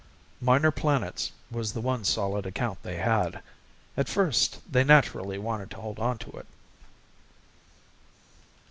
KNIGHT_ Minor Planets was the one solid account they had. At first they naturally wanted to hold on to it.